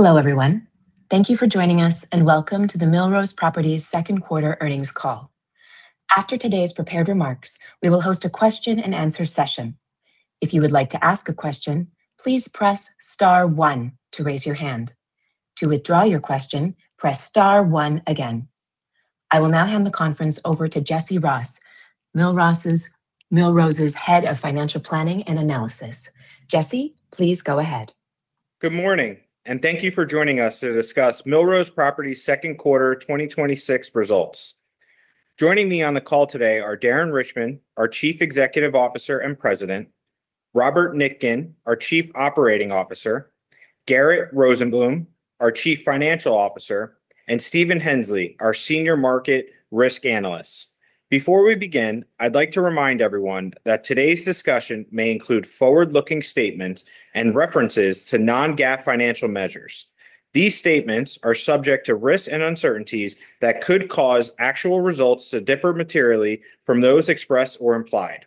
Hello, everyone. Thank you for joining us, welcome to the Millrose Properties second quarter earnings call. After today's prepared remarks, we will host a question and answer session. If you would like to ask a question, please press star one to raise your hand. To withdraw your question, press star one again. I will now hand the conference over to Jesse Ross, Millrose's Head of Financial Planning and Analysis. Jesse, please go ahead. Good morning, thank you for joining us to discuss Millrose Properties' second quarter 2026 results. Joining me on the call today are Darren Richman, our Chief Executive Officer and President, Robert Nitkin, our Chief Operating Officer, Garett Rosenblum, our Chief Financial Officer, and Steven Hensley, our Senior Market Risk Analyst. Before we begin, I'd like to remind everyone that today's discussion may include forward-looking statements and references to non-GAAP financial measures. These statements are subject to risks and uncertainties that could cause actual results to differ materially from those expressed or implied.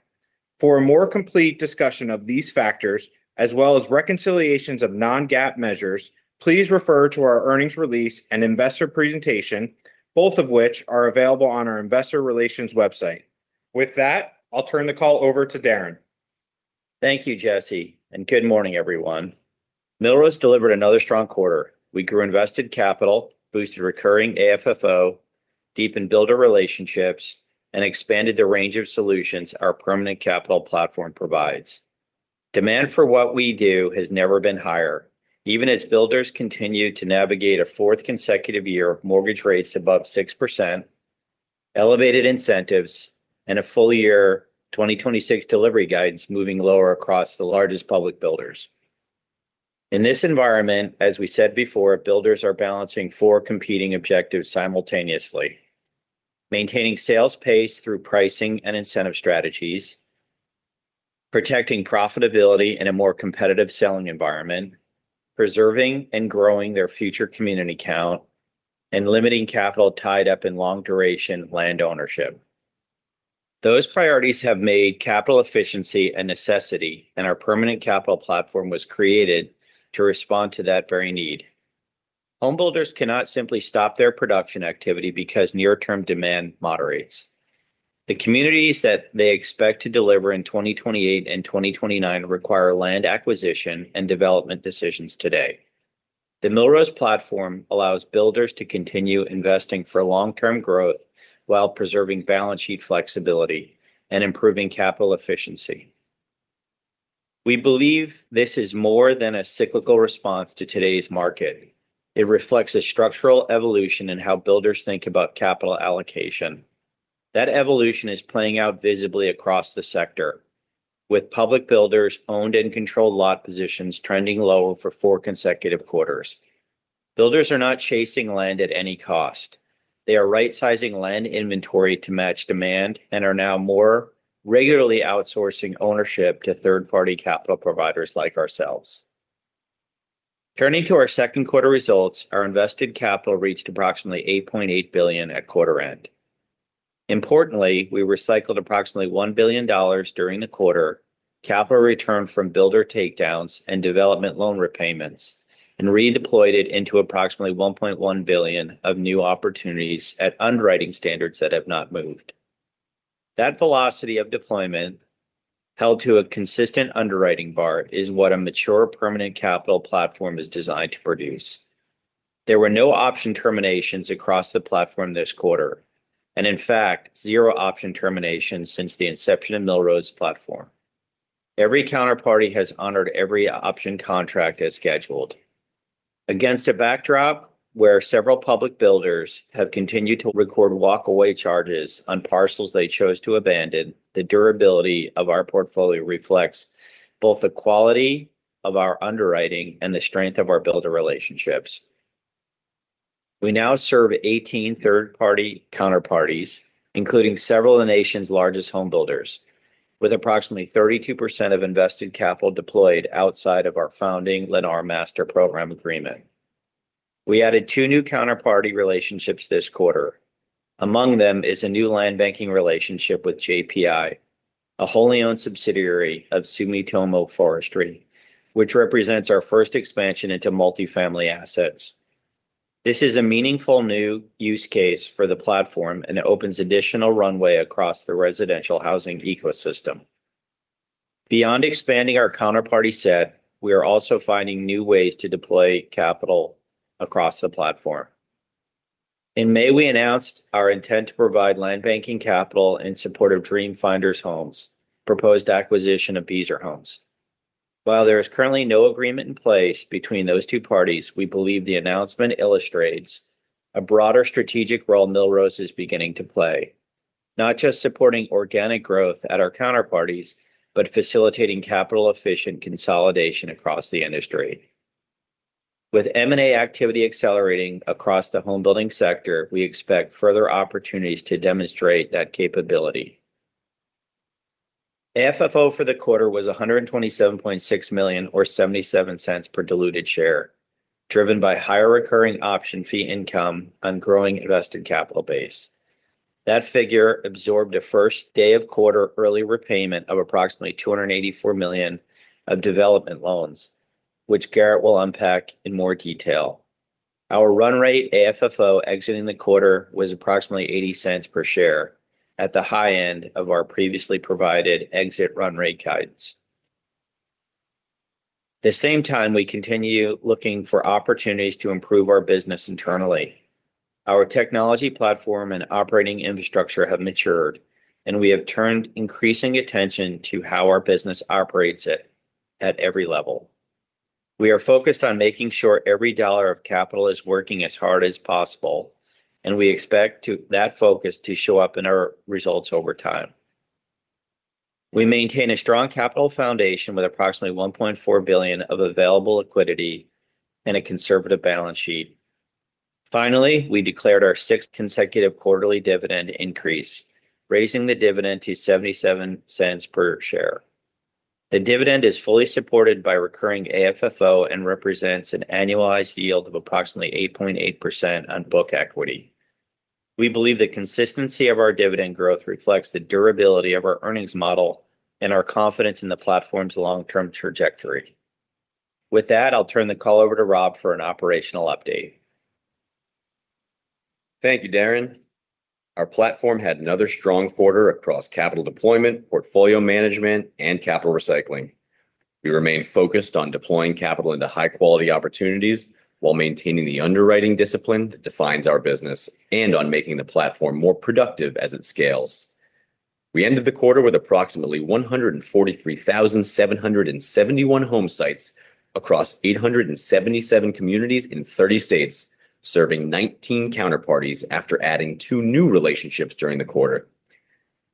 For a more complete discussion of these factors, as well as reconciliations of non-GAAP measures, please refer to our earnings release and investor presentation, both of which are available on our investor relations website. With that, I'll turn the call over to Darren. Thank you, Jesse, good morning, everyone. Millrose delivered another strong quarter. We grew Invested Capital, boosted recurring AFFO, deepened builder relationships, and expanded the range of solutions our permanent capital platform provides. Demand for what we do has never been higher, even as builders continue to navigate a fourth consecutive year of mortgage rates above 6%, elevated incentives, and a full-year 2026 delivery guidance moving lower across the largest public builders. In this environment, as we said before, builders are balancing four competing objectives simultaneously: maintaining sales pace through pricing and incentive strategies, protecting profitability in a more competitive selling environment, preserving and growing their future community count, and limiting capital tied up in long-duration land ownership. Those priorities have made capital efficiency a necessity, our permanent capital platform was created to respond to that very need. Home builders cannot simply stop their production activity because near-term demand moderates. The communities that they expect to deliver in 2028 and 2029 require land acquisition and development decisions today. The Millrose platform allows builders to continue investing for long-term growth while preserving balance sheet flexibility and improving capital efficiency. We believe this is more than a cyclical response to today's market. It reflects a structural evolution in how builders think about capital allocation. That evolution is playing out visibly across the sector, with public builders' owned and controlled lot positions trending low for four consecutive quarters. Builders are not chasing land at any cost. They are right-sizing land inventory to match demand and are now more regularly outsourcing ownership to third-party capital providers like ourselves. Turning to our second quarter results, our Invested Capital reached approximately $8.8 billion at quarter end. Importantly, we recycled approximately $1 billion during the quarter, capital returned from builder takedowns and development loan repayments, and redeployed it into approximately $1.1 billion of new opportunities at underwriting standards that have not moved. That velocity of deployment held to a consistent underwriting bar is what a mature permanent capital platform is designed to produce. There were no option terminations across the platform this quarter, and in fact, zero option terminations since the inception of Millrose platform. Every counterparty has honored every option contract as scheduled. Against a backdrop where several public builders have continued to record walkaway charges on parcels they chose to abandon, the durability of our portfolio reflects both the quality of our underwriting and the strength of our builder relationships. We now serve 18 third-party counterparties, including several of the nation's largest home builders, with approximately 32% of Invested Capital deployed outside of our founding Lennar Master Program Agreement. We added two new counterparty relationships this quarter. Among them is a new land banking relationship with JPI, a wholly-owned subsidiary of Sumitomo Forestry, which represents our first expansion into multifamily assets. This is a meaningful new use case for the platform, and it opens additional runway across the residential housing ecosystem. Beyond expanding our counterparty set, we are also finding new ways to deploy capital across the platform. In May, we announced our intent to provide land banking capital in support of Dream Finders Homes' proposed acquisition of Beazer Homes. While there is currently no agreement in place between those two parties, we believe the announcement illustrates a broader strategic role Millrose Properties is beginning to play, not just supporting organic growth at our counterparties, but facilitating capital-efficient consolidation across the industry. With M&A activity accelerating across the home building sector, we expect further opportunities to demonstrate that capability. AFFO for the quarter was $127.6 million or $0.77 per diluted share, driven by higher recurring option fee income on growing Invested Capital base. That figure absorbed a first day of quarter early repayment of approximately $284 million of development loans, which Garett will unpack in more detail. Our run rate AFFO exiting the quarter was approximately $0.80 per share at the high end of our previously provided exit run rate guidance. At the same time, we continue looking for opportunities to improve our business internally. Our technology platform and operating infrastructure have matured, and we have turned increasing attention to how our business operates at every level. We are focused on making sure every dollar of capital is working as hard as possible, and we expect that focus to show up in our results over time. We maintain a strong capital foundation with approximately $1.4 billion of available liquidity and a conservative balance sheet. Finally, we declared our sixth consecutive quarterly dividend increase, raising the dividend to $0.77 per share. The dividend is fully supported by recurring AFFO and represents an annualized yield of approximately 8.8% on book equity. We believe the consistency of our dividend growth reflects the durability of our earnings model and our confidence in the platform's long-term trajectory. With that, I'll turn the call over to Rob for an operational update. Thank you, Darren. Our platform had another strong quarter across capital deployment, portfolio management, and capital recycling. We remain focused on deploying capital into high-quality opportunities while maintaining the underwriting discipline that defines our business and on making the platform more productive as it scales. We ended the quarter with approximately 143,771 home sites across 877 communities in 30 states, serving 19 counterparties after adding two new relationships during the quarter.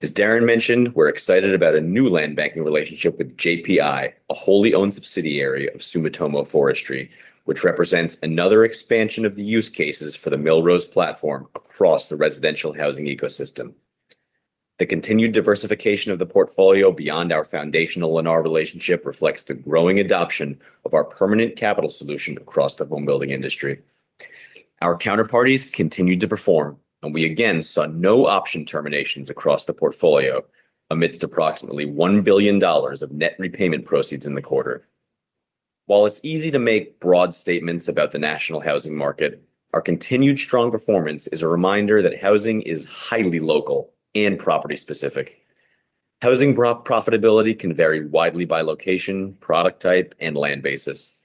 As Darren mentioned, we're excited about a new land banking relationship with JPI, a wholly owned subsidiary of Sumitomo Forestry, which represents another expansion of the use cases for the Millrose platform across the residential housing ecosystem. The continued diversification of the portfolio beyond our foundational Lennar relationship reflects the growing adoption of our permanent capital solution across the home building industry. Our counterparties continued to perform. We again saw no option terminations across the portfolio amidst approximately $1 billion of net repayment proceeds in the quarter. While it's easy to make broad statements about the national housing market, our continued strong performance is a reminder that housing is highly local and property specific. Housing profitability can vary widely by location, product type, and land basis.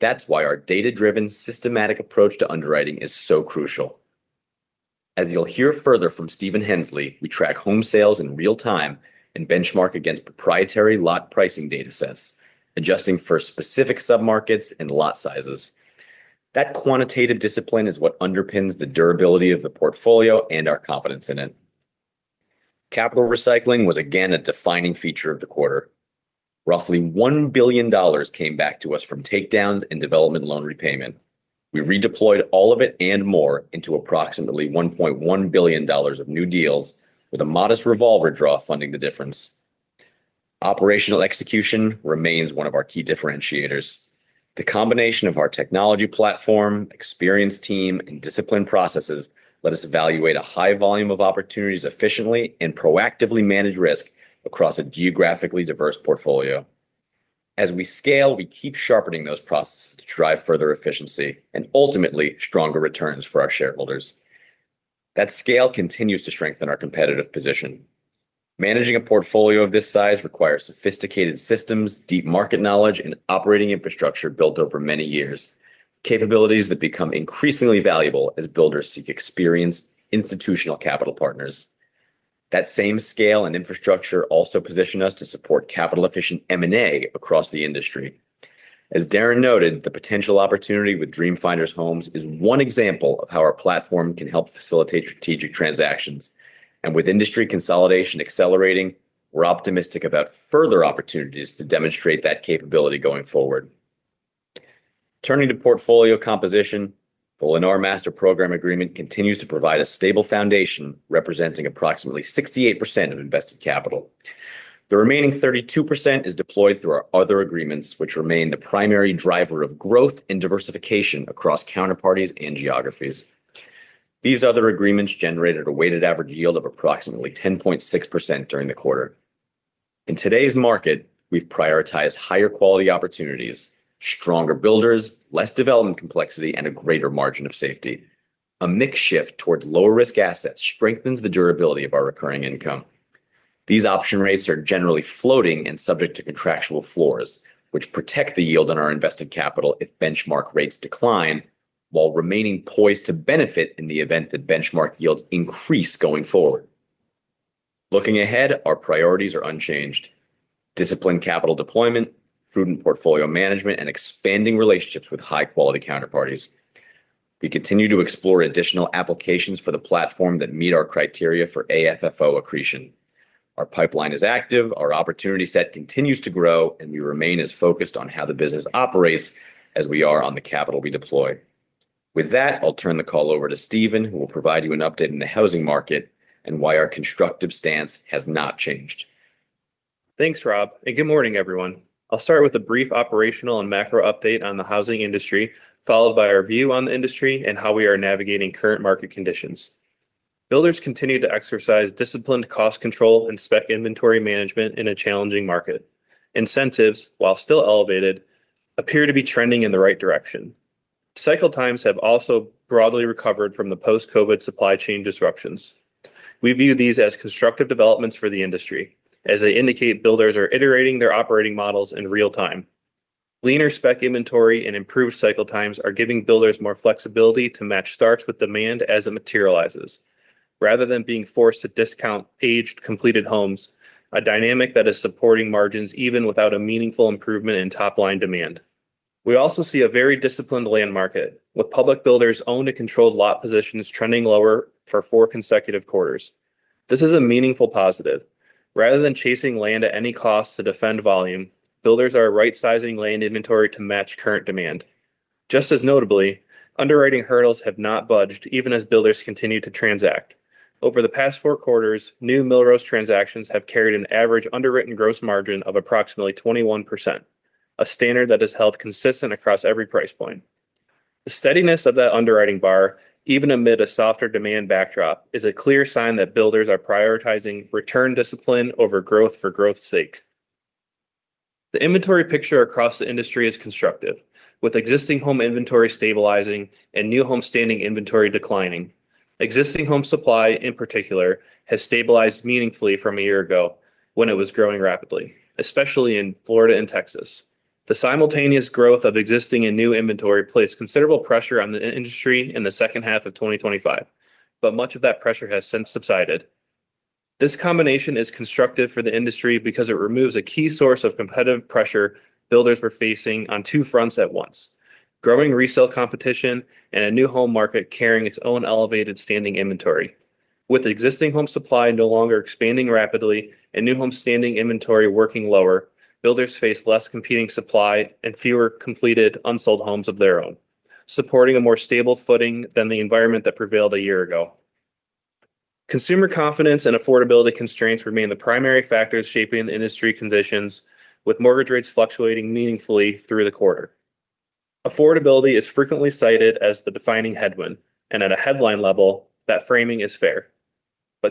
That's why our data-driven, systematic approach to underwriting is so crucial. As you'll hear further from Steven Hensley, we track home sales in real-time and benchmark against proprietary lot pricing datasets, adjusting for specific submarkets and lot sizes. That quantitative discipline is what underpins the durability of the portfolio and our confidence in it. Capital recycling was again a defining feature of the quarter. Roughly $1 billion came back to us from takedowns and development loan repayment. We redeployed all of it and more into approximately $1.1 billion of new deals with a modest revolver draw funding the difference. Operational execution remains one of our key differentiators. The combination of our technology platform, experienced team, and disciplined processes let us evaluate a high volume of opportunities efficiently and proactively manage risk across a geographically diverse portfolio. As we scale, we keep sharpening those processes to drive further efficiency and ultimately stronger returns for our shareholders. That scale continues to strengthen our competitive position. Managing a portfolio of this size requires sophisticated systems, deep market knowledge, and operating infrastructure built over many years. Capabilities that become increasingly valuable as builders seek experienced institutional capital partners. That same scale and infrastructure also position us to support capital-efficient M&A across the industry. As Darren noted, the potential opportunity with Dream Finders Homes is one example of how our platform can help facilitate strategic transactions. With industry consolidation accelerating, we're optimistic about further opportunities to demonstrate that capability going forward. Turning to portfolio composition, the Lennar Master Program Agreement continues to provide a stable foundation representing approximately 68% of Invested Capital. The remaining 32% is deployed through our other agreements, which remain the primary driver of growth and diversification across counterparties and geographies. These other agreements generated a weighted average yield of approximately 10.6% during the quarter. In today's market, we've prioritized higher quality opportunities, stronger builders, less development complexity, and a greater margin of safety. A mix shift towards lower risk assets strengthens the durability of our recurring income. These option rates are generally floating and subject to contractual floors, which protect the yield on our Invested Capital if benchmark rates decline, while remaining poised to benefit in the event that benchmark yields increase going forward. Looking ahead, our priorities are unchanged. Disciplined capital deployment, prudent portfolio management, and expanding relationships with high-quality counterparties. We continue to explore additional applications for the platform that meet our criteria for AFFO accretion. Our pipeline is active, our opportunity set continues to grow, and we remain as focused on how the business operates as we are on the capital we deploy. With that, I'll turn the call over to Steven, who will provide you an update on the housing market and why our constructive stance has not changed. Thanks, Rob. Good morning, everyone. I'll start with a brief operational and macro update on the housing industry, followed by our view on the industry and how we are navigating current market conditions. Builders continue to exercise disciplined cost control and spec inventory management in a challenging market. Incentives, while still elevated, appear to be trending in the right direction. Cycle times have also broadly recovered from the post-COVID supply chain disruptions. We view these as constructive developments for the industry, as they indicate builders are iterating their operating models in real time. Leaner spec inventory and improved cycle times are giving builders more flexibility to match starts with demand as it materializes, rather than being forced to discount aged, completed homes, a dynamic that is supporting margins even without a meaningful improvement in top-line demand. We also see a very disciplined land market, with public builders' owned and controlled lot positions trending lower for four consecutive quarters. This is a meaningful positive. Rather than chasing land at any cost to defend volume, builders are right-sizing land inventory to match current demand. Just as notably, underwriting hurdles have not budged, even as builders continue to transact. Over the past four quarters, new Millrose transactions have carried an average underwritten gross margin of approximately 21%, a standard that is held consistent across every price point. The steadiness of that underwriting bar, even amid a softer demand backdrop, is a clear sign that builders are prioritizing return discipline over growth for growth's sake. The inventory picture across the industry is constructive, with existing home inventory stabilizing and new home standing inventory declining. Existing home supply, in particular, has stabilized meaningfully from a year ago, when it was growing rapidly, especially in Florida and Texas. The simultaneous growth of existing and new inventory placed considerable pressure on the industry in the second half of 2025. Much of that pressure has since subsided. This combination is constructive for the industry because it removes a key source of competitive pressure builders were facing on two fronts at once. Growing resale competition and a new home market carrying its own elevated standing inventory. With existing home supply no longer expanding rapidly and new home standing inventory working lower, builders face less competing supply and fewer completed unsold homes of their own, supporting a more stable footing than the environment that prevailed a year ago. Consumer confidence and affordability constraints remain the primary factors shaping industry conditions, with mortgage rates fluctuating meaningfully through the quarter. Affordability is frequently cited as the defining headwind, and at a headline level, that framing is fair.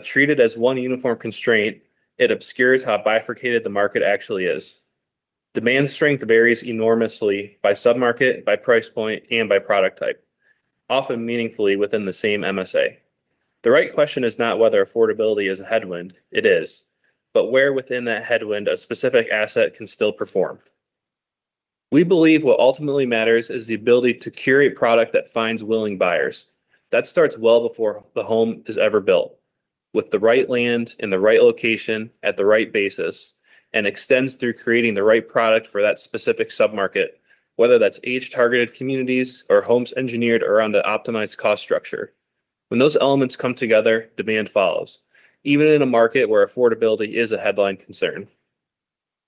Treated as one uniform constraint, it obscures how bifurcated the market actually is. Demand strength varies enormously by submarket, by price point, and by product type, often meaningfully within the same MSA. The right question is not whether affordability is a headwind. It is. But where within that headwind a specific asset can still perform. We believe what ultimately matters is the ability to curate product that finds willing buyers. That starts well before the home is ever built. With the right land in the right location at the right basis, and extends through creating the right product for that specific submarket, whether that's age-targeted communities or homes engineered around an optimized cost structure. When those elements come together, demand follows, even in a market where affordability is a headline concern.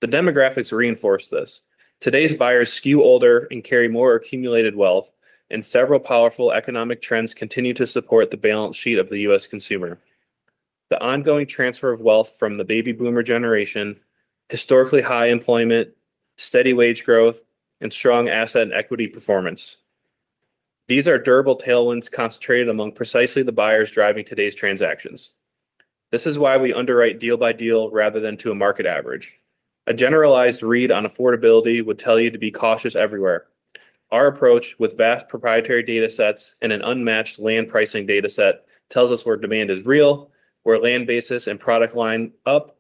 The demographics reinforce this. Today's buyers skew older and carry more accumulated wealth, several powerful economic trends continue to support the balance sheet of the U.S. consumer. The ongoing transfer of wealth from the baby boomer generation, historically high employment, steady wage growth, and strong asset and equity performance. These are durable tailwinds concentrated among precisely the buyers driving today's transactions. This is why we underwrite deal by deal rather than to a market average. A generalized read on affordability would tell you to be cautious everywhere. Our approach with vast proprietary data sets and an unmatched land pricing data set tells us where demand is real, where land basis and product line up,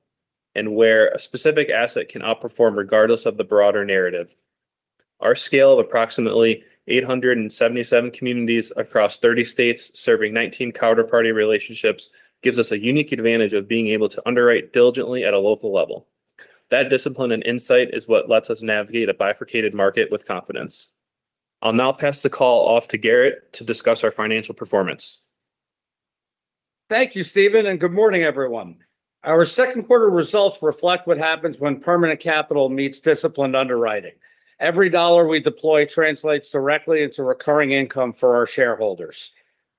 and where a specific asset can outperform regardless of the broader narrative. Our scale of approximately 877 communities across 30 states serving 19 counterparty relationships gives us a unique advantage of being able to underwrite diligently at a local level. That discipline and insight is what lets us navigate a bifurcated market with confidence. I'll now pass the call off to Garett to discuss our financial performance. Thank you, Steven, good morning, everyone. Our second quarter results reflect what happens when permanent capital meets disciplined underwriting. Every dollar we deploy translates directly into recurring income for our shareholders.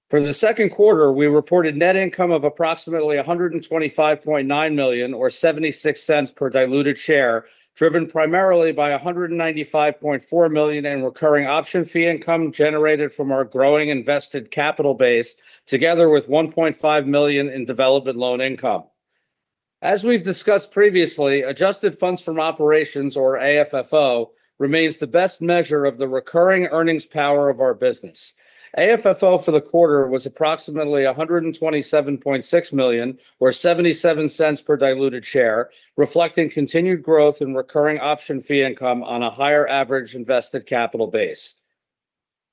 For the second quarter, we reported net income of approximately $125.9 million, or $0.76 per diluted share, driven primarily by $195.4 million in recurring option fee income generated from our growing Invested Capital base, together with $1.5 million in development loan income. As we've discussed previously, adjusted funds from operations, or AFFO, remains the best measure of the recurring earnings power of our business. AFFO for the quarter was approximately $127.6 million, or $0.77 per diluted share, reflecting continued growth in recurring option fee income on a higher average Invested Capital base.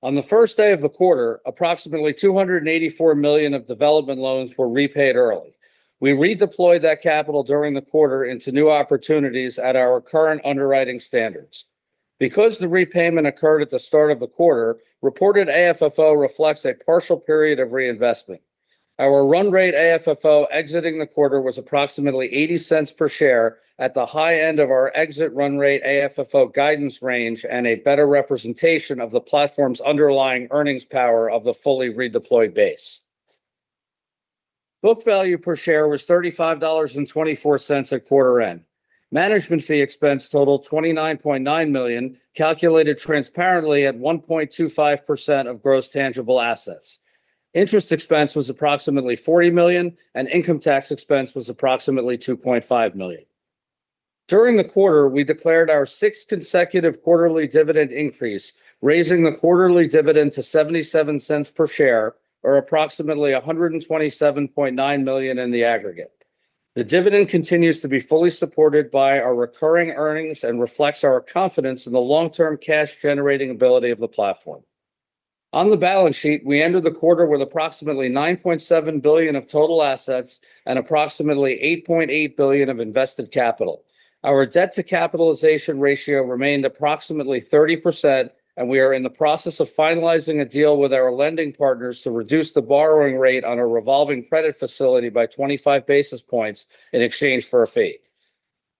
On the first day of the quarter, approximately $284 million of development loans were repaid early. We redeployed that capital during the quarter into new opportunities at our current underwriting standards. Because the repayment occurred at the start of the quarter, reported AFFO reflects a partial period of reinvestment. Our run rate AFFO exiting the quarter was approximately $0.80 per share at the high end of our exit run rate AFFO guidance range and a better representation of the platform's underlying earnings power of the fully redeployed base. Book value per share was $35.24 at quarter end. Management fee expense total $29.9 million, calculated transparently at 1.25% of gross tangible assets. Interest expense was approximately $40 million, and income tax expense was approximately $2.5 million. During the quarter, we declared our sixth consecutive quarterly dividend increase, raising the quarterly dividend to $0.77 per share, or approximately $127.9 million in the aggregate. The dividend continues to be fully supported by our recurring earnings and reflects our confidence in the long-term cash-generating ability of the platform. On the balance sheet, we ended the quarter with approximately $9.7 billion of total assets and approximately $8.8 billion of Invested Capital. Our debt-to-capitalization ratio remained approximately 30%, and we are in the process of finalizing a deal with our lending partners to reduce the borrowing rate on a revolving credit facility by 25 basis points in exchange for a fee.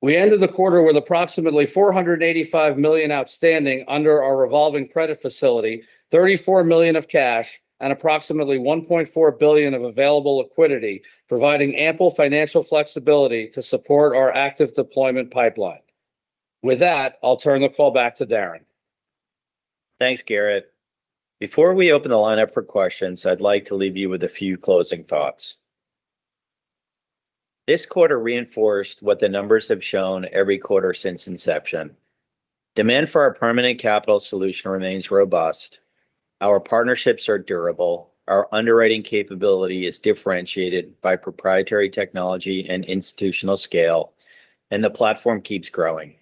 We ended the quarter with approximately $485 million outstanding under our revolving credit facility, $34 million of cash, and approximately $1.4 billion of available liquidity, providing ample financial flexibility to support our active deployment pipeline. With that, I'll turn the call back to Darren. Thanks, Garett. Before we open the line up for questions, I'd like to leave you with a few closing thoughts. This quarter reinforced what the numbers have shown every quarter since inception. Demand for our permanent capital solution remains robust. Our partnerships are durable. Our underwriting capability is differentiated by proprietary technology and institutional scale, and the platform keeps growing.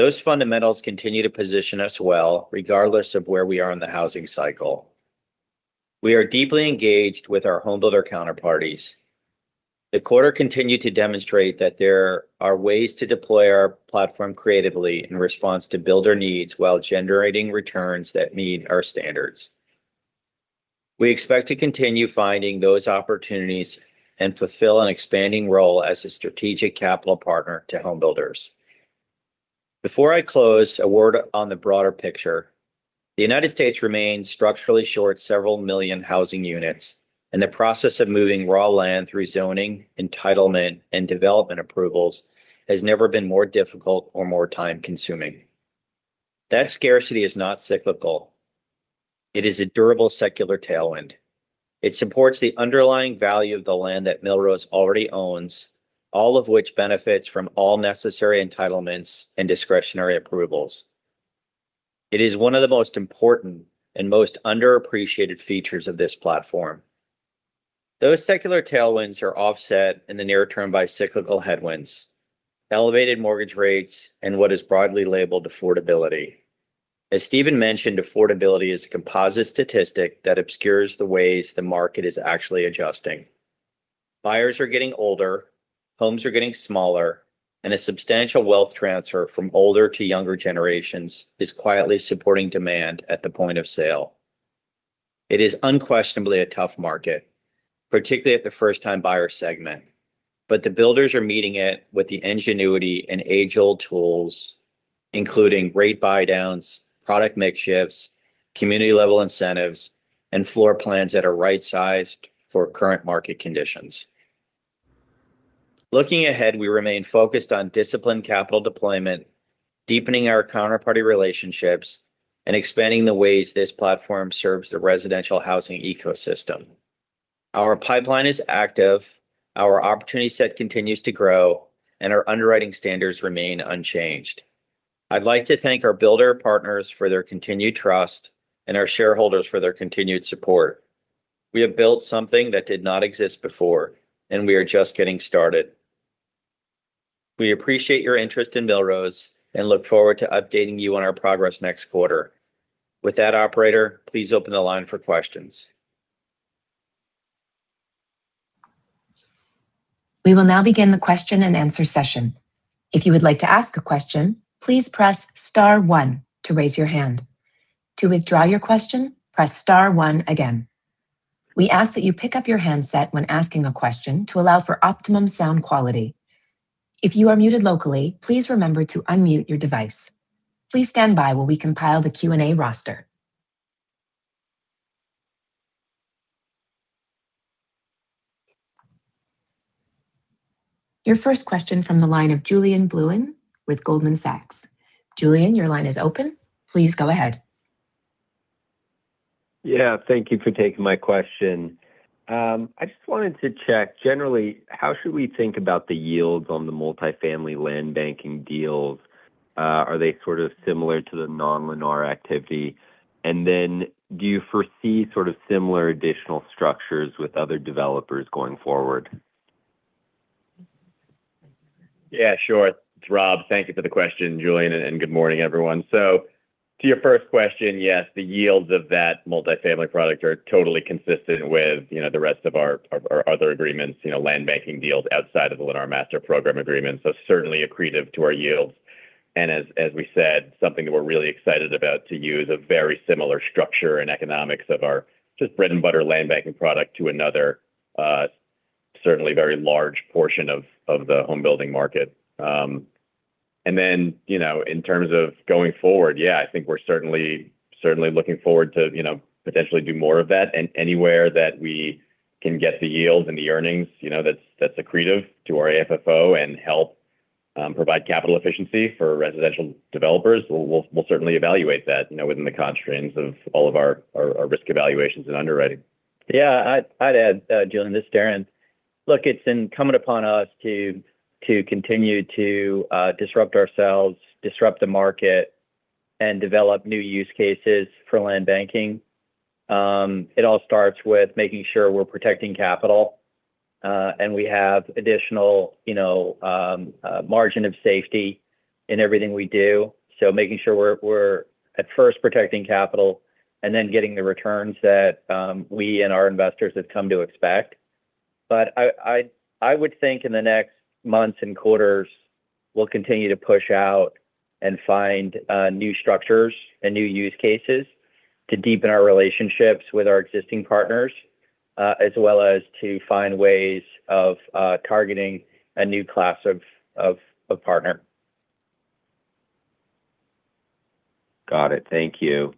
Those fundamentals continue to position us well, regardless of where we are in the housing cycle. We are deeply engaged with our home builder counterparties. The quarter continued to demonstrate that there are ways to deploy our platform creatively in response to builder needs while generating returns that meet our standards. We expect to continue finding those opportunities and fulfill an expanding role as a strategic capital partner to home builders. Before I close, a word on the broader picture. The United States remains structurally short several million housing units, and the process of moving raw land through zoning, entitlement, and development approvals has never been more difficult or more time-consuming. That scarcity is not cyclical. It is a durable secular tailwind. It supports the underlying value of the land that Millrose already owns, all of which benefits from all necessary entitlements and discretionary approvals. It is one of the most important and most underappreciated features of this platform. Those secular tailwinds are offset in the near term by cyclical headwinds, elevated mortgage rates, and what is broadly labeled affordability. As Steven mentioned, affordability is a composite statistic that obscures the ways the market is actually adjusting. Buyers are getting older, homes are getting smaller, and a substantial wealth transfer from older to younger generations is quietly supporting demand at the point of sale. It is unquestionably a tough market, particularly at the first-time buyer segment. The builders are meeting it with the ingenuity and agile tools, including rate buydowns, product mix shifts, community-level incentives, and floor plans that are right-sized for current market conditions. Looking ahead, we remain focused on disciplined capital deployment, deepening our counterparty relationships, and expanding the ways this platform serves the residential housing ecosystem. Our pipeline is active, our opportunity set continues to grow, and our underwriting standards remain unchanged. I'd like to thank our builder partners for their continued trust and our shareholders for their continued support. We have built something that did not exist before, and we are just getting started. We appreciate your interest in Millrose and look forward to updating you on our progress next quarter. With that, operator, please open the line for questions. We will now begin the question and answer session. If you would like to ask a question, please press star one to raise your hand. To withdraw your question, press star one again. We ask that you pick up your handset when asking a question to allow for optimum sound quality. If you are muted locally, please remember to unmute your device. Please stand by while we compile the Q&A roster. Your first question from the line of Julien Blouin with Goldman Sachs. Julien, your line is open. Please go ahead. Thank you for taking my question. I just wanted to check, generally, how should we think about the yields on the multifamily land banking deals? Are they sort of similar to the non-Lennar activity? Do you foresee sort of similar additional structures with other developers going forward? Sure. It's Rob. Thank you for the question, Julien, and good morning, everyone. To your first question, yes, the yields of that multifamily product are totally consistent with the rest of our other agreements, land banking deals outside of the Lennar Master Program Agreement. Certainly accretive to our yields. As we said, something that we're really excited about to use a very similar structure and economics of our just bread-and-butter land banking product to another certainly very large portion of the home building market. In terms of going forward, yeah, I think we're certainly looking forward to potentially do more of that. Anywhere that we can get the yield and the earnings that's accretive to our AFFO and help provide capital efficiency for residential developers, we'll certainly evaluate that within the constraints of all of our risk evaluations and underwriting. Yeah. I'd add, Julien. This is Darren. Look, it's incumbent upon us to continue to disrupt ourselves, disrupt the market, and develop new use cases for land banking. It all starts with making sure we're protecting capital, and we have additional margin of safety in everything we do. Making sure we're at first protecting capital, and then getting the returns that we and our investors have come to expect. I would think in the next months and quarters, we'll continue to push out and find new structures and new use cases to deepen our relationships with our existing partners, as well as to find ways of targeting a new class of partner. Got it. Thank you.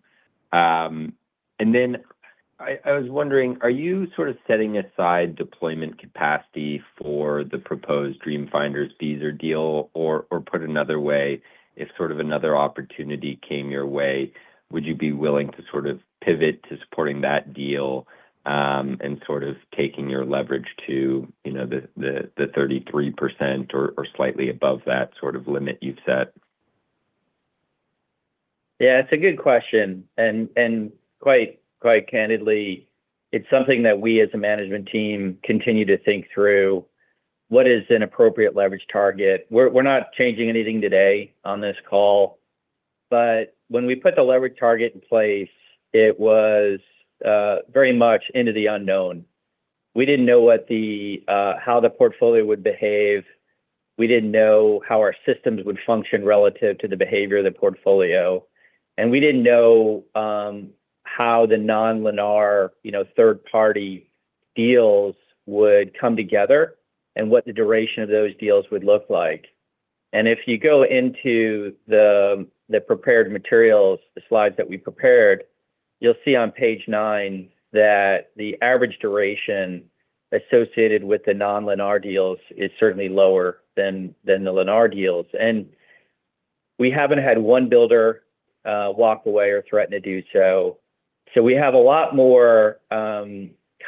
I was wondering, are you sort of setting aside deployment capacity for the proposed Dream Finders fees or deal? Put another way, if sort of another opportunity came your way, would you be willing to sort of pivot to supporting that deal, and sort of taking your leverage to the 33% or slightly above that sort of limit you've set? Yeah, it's a good question, and quite candidly, it's something that we as a management team continue to think through. What is an appropriate leverage target? We're not changing anything today on this call. When we put the leverage target in place, it was very much into the unknown. We didn't know how the portfolio would behave, we didn't know how our systems would function relative to the behavior of the portfolio, and we didn't know how the non-Lennar third party deals would come together and what the duration of those deals would look like. If you go into the prepared materials, the slides that we prepared, you'll see on page nine that the average duration associated with the non-Lennar deals is certainly lower than the Lennar deals. We haven't had one builder walk away or threaten to do so. We have a lot more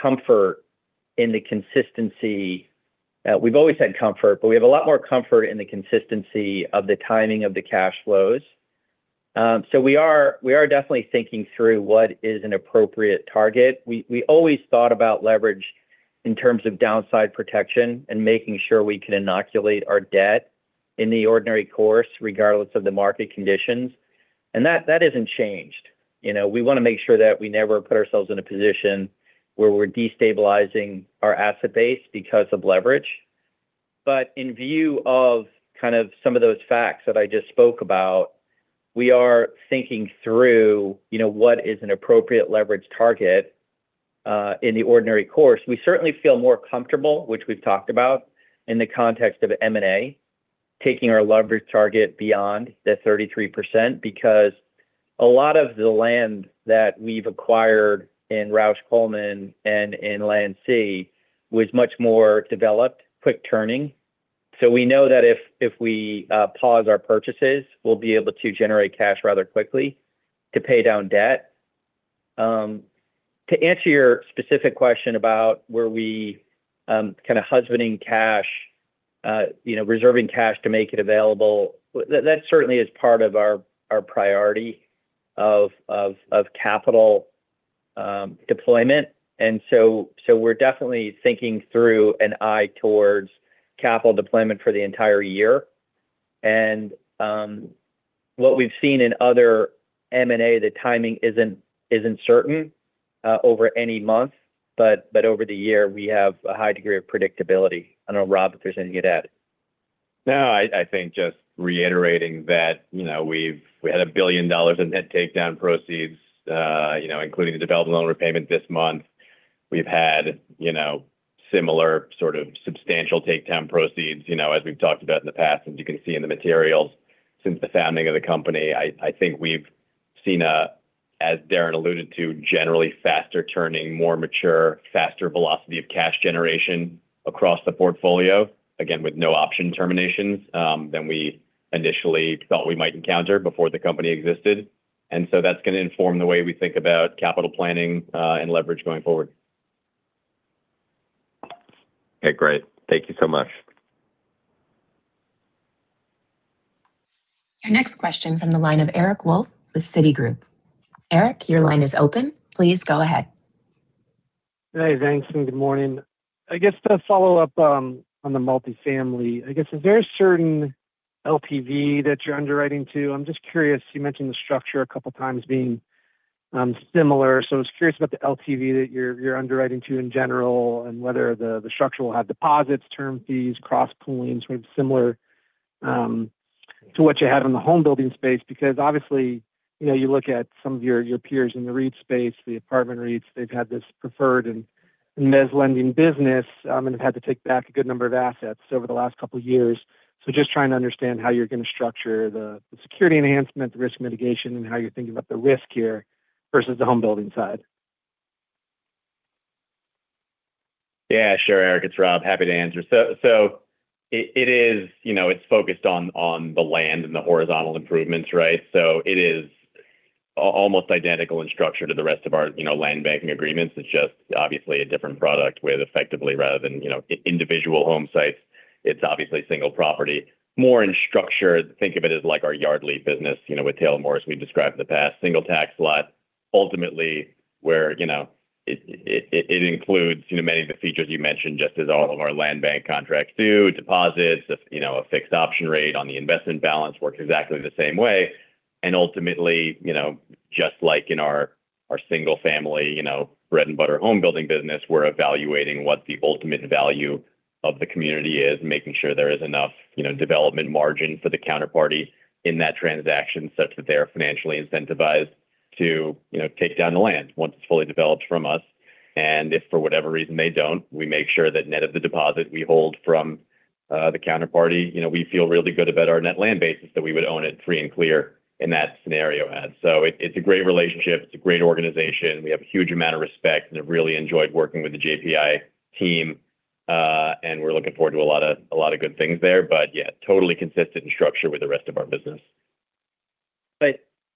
comfort in the consistency. We've always had comfort, we have a lot more comfort in the consistency of the timing of the cash flows. We are definitely thinking through what is an appropriate target. We always thought about leverage in terms of downside protection and making sure we can inoculate our debt in the ordinary course, regardless of the market conditions. That isn't changed. We want to make sure that we never put ourselves in a position where we're destabilizing our asset base because of leverage. In view of kind of some of those facts that I just spoke about, we are thinking through what is an appropriate leverage target, in the ordinary course. We certainly feel more comfortable, which we've talked about, in the context of M&A, taking our leverage target beyond the 33%, because a lot of the land that we've acquired in Rausch Coleman Homes and in Landsea Homes was much more developed, quick turning. We know that if we pause our purchases, we'll be able to generate cash rather quickly to pay down debt. To answer your specific question about where we kind of husbanding cash, reserving cash to make it available, that certainly is part of our priority of capital deployment. We're definitely thinking through an eye towards capital deployment for the entire year. What we've seen in other M&A, the timing isn't certain over any month. Over the year, we have a high degree of predictability. I don't know, Rob, if there's anything you'd add. No. I think just reiterating that we had $1 billion in debt takedown proceeds including the development loan repayment this month. We've had similar sort of substantial take down proceeds as we've talked about in the past, as you can see in the materials since the founding of the company. I think we've seen a, as Darren alluded to, generally faster turning, more mature, faster velocity of cash generation across the portfolio, again, with no option terminations, than we initially thought we might encounter before the company existed. That's going to inform the way we think about capital planning and leverage going forward. Okay, great. Thank you so much. Your next question from the line of Eric Wolfe with Citigroup. Eric, your line is open. Please go ahead. Hey, thanks, and good morning. I guess to follow up on the multifamily, is there a certain LTV that you're underwriting to? I'm just curious, you mentioned the structure a couple of times being similar. I was curious about the LTV that you're underwriting to in general, and whether the structure will have deposits, term fees, cross-collaterals, sort of similar to what you have in the home building space. Obviously, you look at some of your peers in the REIT space, the apartment REITs, they've had this preferred and In the lending business, and have had to take back a good number of assets over the last couple of years. Just trying to understand how you're going to structure the security enhancement, the risk mitigation, and how you're thinking about the risk here versus the home building side. Yeah, sure, Eric. It's Rob. Happy to answer. It's focused on the land and the horizontal improvements, right? It is almost identical in structure to the rest of our land banking agreements. It's just obviously a different product with effectively rather than individual home sites. It's obviously single property. More in structure, think of it as like our Yardly business, with Taylor Morrison, we've described in the past, single tax lot, ultimately, where it includes many of the features you mentioned, just as all of our land bank contracts do, deposits, a fixed option rate on the investment balance, works exactly the same way. Ultimately, just like in our single family, bread-and-butter home building business, we're evaluating what the ultimate value of the community is, making sure there is enough development margin for the counterparty in that transaction such that they are financially incentivized to take down the land once it's fully developed from us. If for whatever reason they don't, we make sure that net of the deposit we hold from the counterparty, we feel really good about our net land basis that we would own it free and clear in that scenario. It's a great relationship. It's a great organization. We have a huge amount of respect and have really enjoyed working with the JPI team. We're looking forward to a lot of good things there. Yeah, totally consistent in structure with the rest of our business.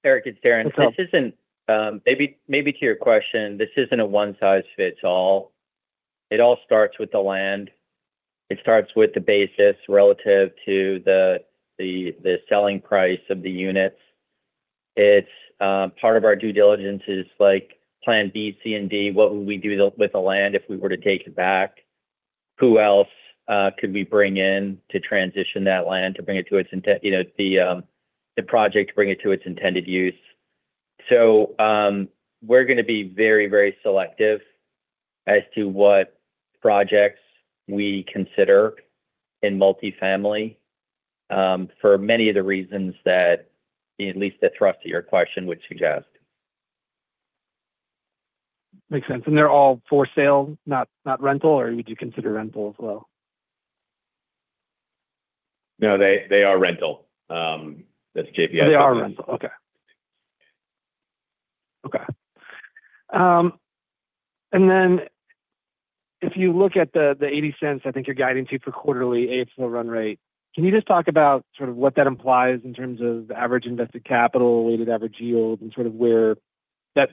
Eric, it's Darren. What's up? Maybe to your question, this isn't a one-size-fits-all. It all starts with the land. It starts with the basis relative to the selling price of the units. Part of our due diligence is plan B, C, and D, what would we do with the land if we were to take it back? Who else could we bring in to transition that land to bring it to its intended use? We're going to be very selective as to what projects we consider in multifamily, for many of the reasons that at least the thrust of your question would suggest. Makes sense. They're all for sale, not rental, or would you consider rental as well? No, they are rental. That's JPI. They are rental. Okay. If you look at the $0.80 I think you're guiding to for quarterly AFFO run rate, can you just talk about what that implies in terms of the average Invested Capital, weighted average yield, and where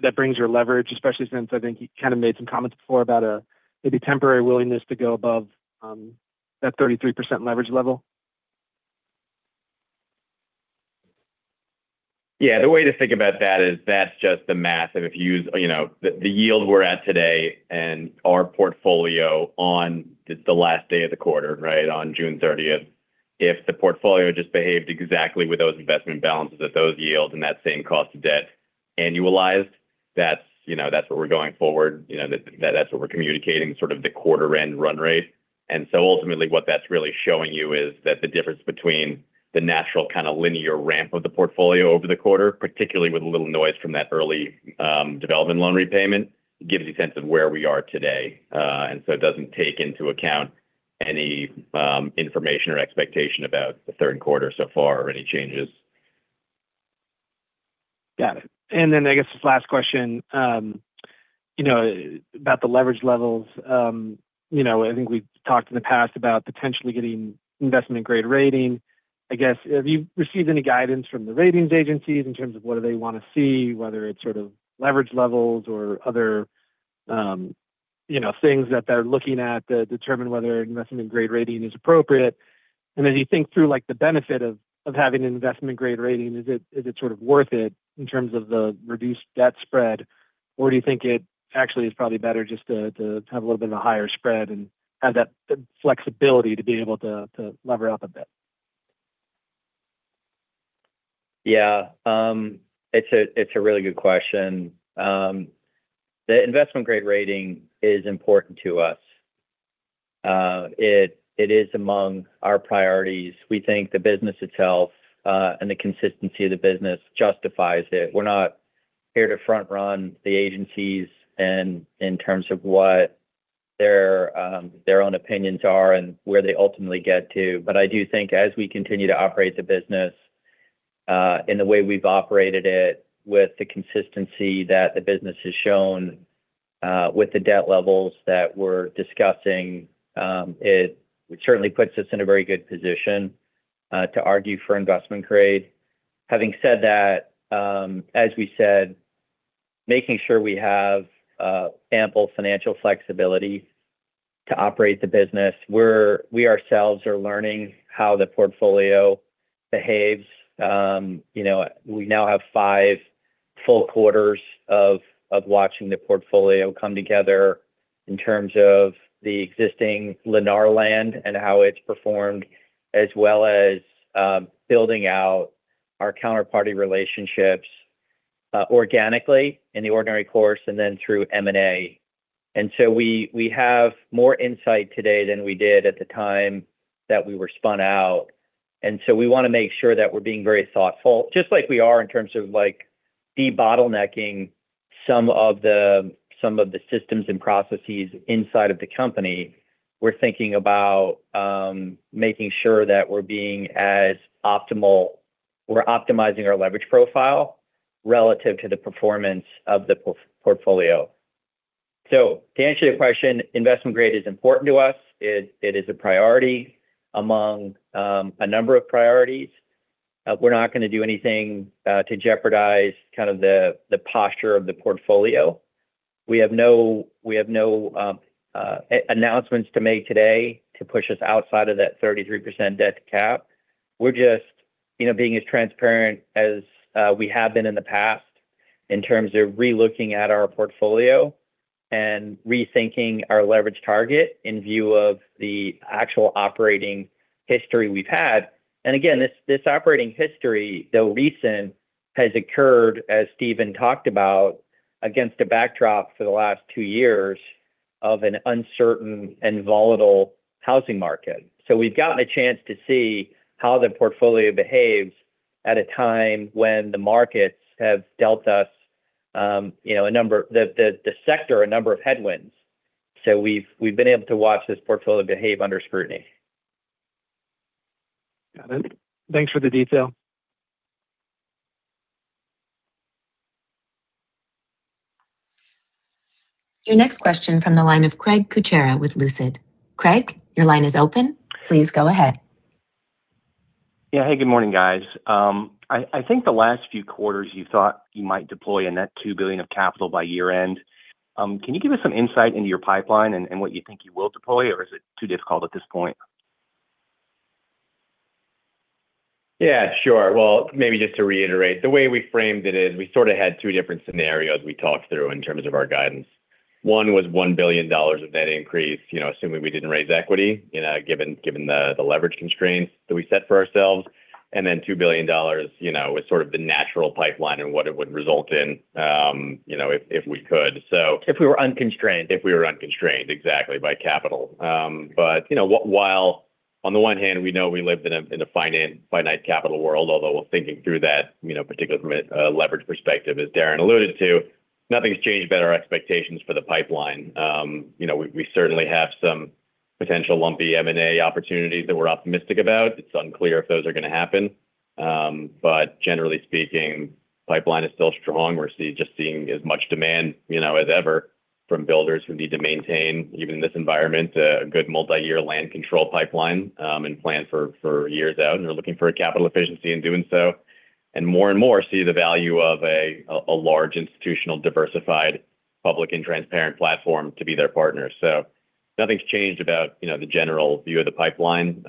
that brings your leverage, especially since I think you kind of made some comments before about a maybe temporary willingness to go above that 33% leverage level? Yeah, the way to think about that is that's just the math of if you use the yield we're at today and our portfolio on the last day of the quarter on June 30th. If the portfolio just behaved exactly with those investment balances at those yields and that same cost of debt annualized, that's what we're going forward. That's what we're communicating sort of the quarter end run rate. Ultimately what that's really showing you is that the difference between the natural kind of linear ramp of the portfolio over the quarter, particularly with a little noise from that early development loan repayment, gives you a sense of where we are today. It doesn't take into account any information or expectation about the third quarter so far or any changes. Got it. I guess this last question, about the leverage levels. I think we've talked in the past about potentially getting investment-grade rating. I guess, have you received any guidance from the ratings agencies in terms of what do they want to see, whether it's leverage levels or other things that they're looking at that determine whether an investment-grade rating is appropriate? As you think through the benefit of having an investment-grade rating, is it sort of worth it in terms of the reduced debt spread, or do you think it actually is probably better just to have a little bit of a higher spread and have that flexibility to be able to lever up a bit? Yeah. It's a really good question. The investment grade rating is important to us. It is among our priorities. We think the business itself, and the consistency of the business justifies it. We're not here to front run the agencies and in terms of what their own opinions are and where they ultimately get to. I do think as we continue to operate the business, in the way we've operated it with the consistency that the business has shown, with the debt levels that we're discussing, it certainly puts us in a very good position to argue for investment grade. Having said that, as we said, making sure we have ample financial flexibility to operate the business. We ourselves are learning how the portfolio behaves. We now have five full quarters of watching the portfolio come together in terms of the existing Lennar land and how it's performed, as well as building out our counterparty relationships organically in the ordinary course and then through M&A. We have more insight today than we did at the time that we were spun out. We want to make sure that we're being very thoughtful, just like we are in terms of de-bottlenecking some of the systems and processes inside of the company. We're thinking about making sure that we're optimizing our leverage profile relative to the performance of the portfolio. To answer your question, investment grade is important to us. It is a priority among a number of priorities. We're not going to do anything to jeopardize the posture of the portfolio. We have no announcements to make today to push us outside of that 33% debt cap. We're just being as transparent as we have been in the past in terms of re-looking at our portfolio and rethinking our leverage target in view of the actual operating history we've had. Again, this operating history, though recent, has occurred, as Steven talked about, against a backdrop for the last two years of an uncertain and volatile housing market. We've gotten a chance to see how the portfolio behaves at a time when the markets have dealt us, the sector, a number of headwinds. We've been able to watch this portfolio behave under scrutiny. Got it. Thanks for the detail. Your next question from the line of Craig Kucera with Lucid. Craig, your line is open. Please go ahead. Yeah. Hey, good morning, guys. I think the last few quarters you thought you might deploy a net $2 billion of capital by year-end. Can you give us some insight into your pipeline and what you think you will deploy, or is it too difficult at this point? Yeah, sure. Well, maybe just to reiterate. The way we framed it is we sort of had two different scenarios we talked through in terms of our guidance. One was $1 billion of debt increase assuming we didn't raise equity, given the leverage constraints that we set for ourselves. $2 billion is sort of the natural pipeline and what it would result in if we could. If we were unconstraine.d If we were unconstrained. Exactly. By capital. While on the one hand, we know we live in a finite capital world although thinking through that, particularly from a leverage perspective, as Darren alluded to. Nothing's changed about our expectations for the pipeline. We certainly have some potential lumpy M&A opportunities that we're optimistic about. It's unclear if those are going to happen. Generally speaking, pipeline is still strong. We're just seeing as much demand as ever from builders who need to maintain, even in this environment, a good multi-year land control pipeline, and plan for years out, and are looking for a capital efficiency in doing so. More and more see the value of a large institutional diversified public and transparent platform to be their partner. Nothing's changed about the general view of the pipeline.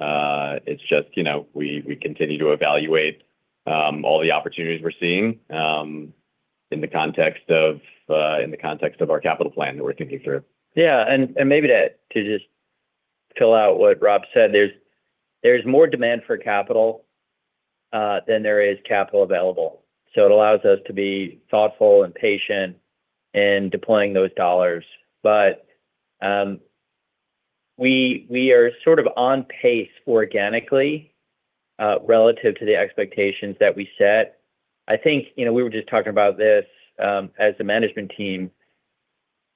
It's just we continue to evaluate all the opportunities we're seeing in the context of our capital plan that we're thinking through. Maybe to just fill out what Rob said, there's more demand for capital than there is capital available. It allows us to be thoughtful and patient in deploying those dollars. We are sort of on pace organically relative to the expectations that we set. I think we were just talking about this as a management team.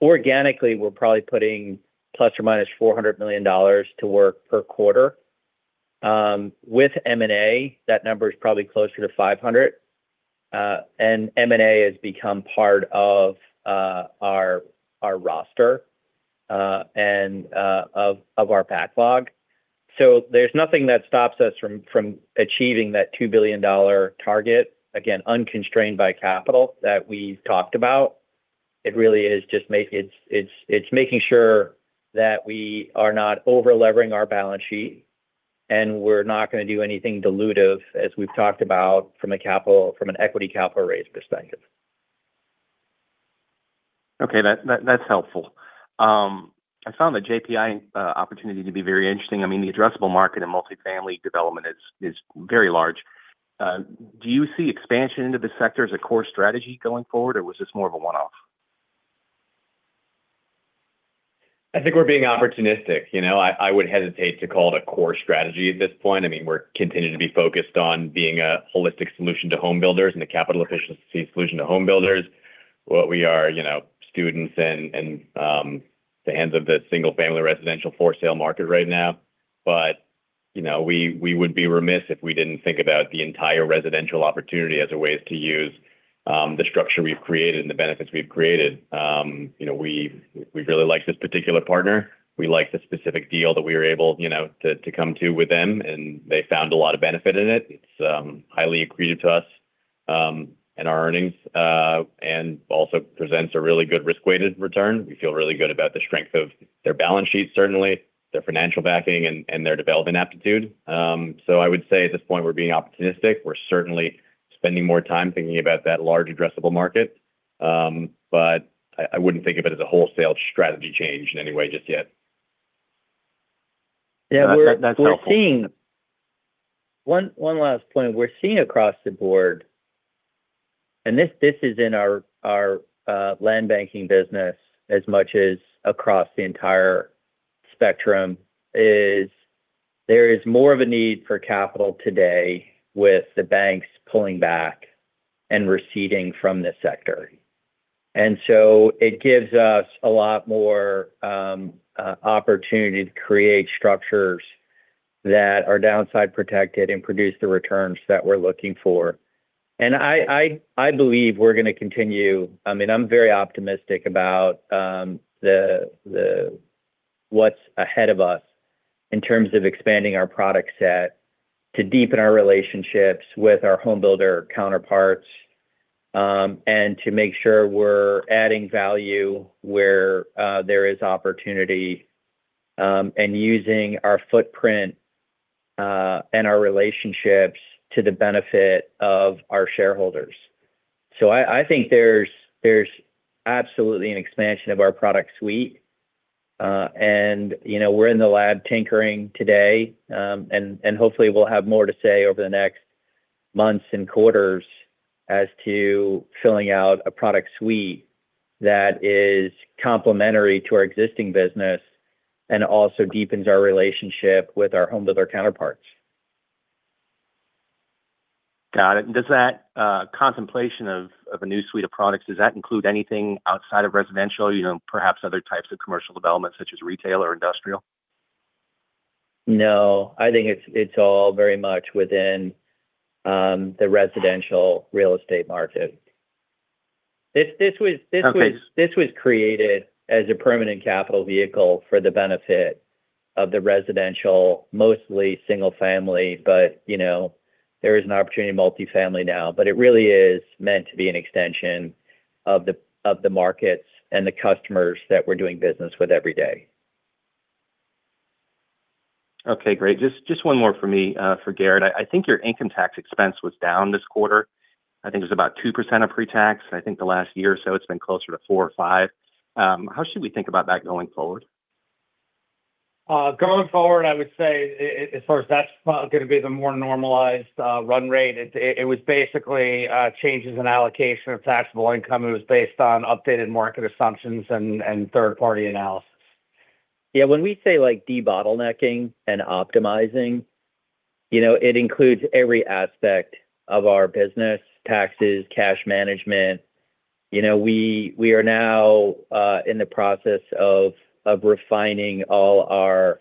Organically, we're probably putting plus or minus $400 million to work per quarter. With M&A, that number is probably closer to $500 million. M&A has become part of our roster and of our backlog. There's nothing that stops us from achieving that $2 billion target, again, unconstrained by capital that we talked about. It really is just making sure that we are not over-leveraging our balance sheet, and we're not going to do anything dilutive, as we've talked about from an equity capital raise perspective. Okay, that's helpful. I found the JPI opportunity to be very interesting. The addressable market in multifamily development is very large. Do you see expansion into the sector as a core strategy going forward, or was this more of a one-off? I think we're being opportunistic. I would hesitate to call it a core strategy at this point. We continue to be focused on being a holistic solution to homebuilders and a capital efficiency solution to homebuilders. What we are students and the ends of the single-family residential for sale market right now. We would be remiss if we didn't think about the entire residential opportunity as a ways to use the structure we've created and the benefits we've created. We really like this particular partner. We like the specific deal that we were able to come to with them, and they found a lot of benefit in it. It's highly accretive to us and our earnings, and also presents a really good risk-weighted return. We feel really good about the strength of their balance sheet, certainly their financial backing and their development aptitude. I would say at this point, we're being opportunistic. We're certainly spending more time thinking about that large addressable market. I wouldn't think of it as a wholesale strategy change in any way just yet. Yeah, that's helpful. One last point. We're seeing across the board, this is in our land banking business as much as across the entire spectrum, there is more of a need for capital today with the banks pulling back and receding from this sector. It gives us a lot more opportunity to create structures that are downside protected and produce the returns that we're looking for. I believe we're going to continue. I'm very optimistic about what's ahead of us in terms of expanding our product set to deepen our relationships with our home builder counterparts, and to make sure we're adding value where there is opportunity, and using our footprint, and our relationships to the benefit of our shareholders. I think there's absolutely an expansion of our product suite. We're in the lab tinkering today. Hopefully we'll have more to say over the next months and quarters as to filling out a product suite that is complimentary to our existing business, and also deepens our relationship with our home builder counterparts. Got it. Does that contemplation of a new suite of products, does that include anything outside of residential, perhaps other types of commercial developments such as retail or industrial? No. I think it's all very much within the residential real estate market. Okay This was created as a permanent capital vehicle for the benefit of the residential, mostly single family, but there is an opportunity in multifamily now. It really is meant to be an extension of the markets and the customers that we're doing business with every day. Okay, great. Just one more from me. For Garett, I think your income tax expense was down this quarter. I think it was about 2% of pre-tax. I think the last year or so it's been closer to four or five. How should we think about that going forward? Going forward, I would say, as far as that's going to be the more normalized run rate, it was basically changes in allocation of taxable income. It was based on updated market assumptions and third-party analysis. Yeah. When we say de-bottlenecking and optimizing, it includes every aspect of our business, taxes, cash management. We are now in the process of refining all our